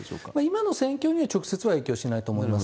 今の戦況には直接は影響しないと思います。